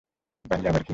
গাড়ি আবার কি?